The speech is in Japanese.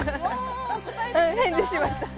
返事しました！